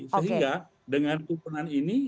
sehingga dengan tukunan ini